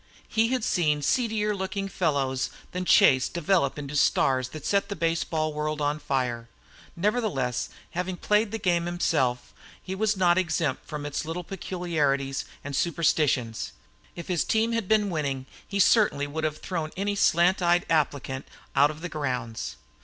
He had seen seedier looking fellows than Chase develop into stars that set the baseball world afire. Nevertheless, having played the game himself, he was not exempt from its little peculiarities and superstitions. If his team had been winning he certainly would have thrown any slant eyed applicant out of the grounds.